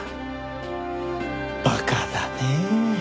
馬鹿だねえ。